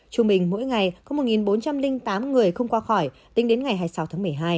trung bình mỗi ngày có một bốn trăm linh tám người không qua khỏi tính đến ngày hai mươi sáu tháng một mươi hai